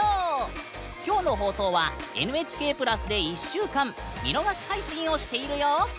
今日の放送はＮＨＫプラスで１週間見逃し配信をしているよ！